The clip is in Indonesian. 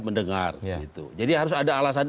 mendengar itu jadi harus ada alasan